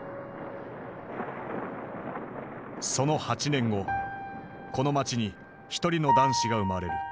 その８年後この街に一人の男子が生まれる。